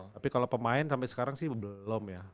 tapi kalau pemain sampai sekarang sih belum ya